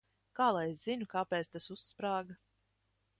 Kā lai es zinu, kāpēc tas uzsprāga?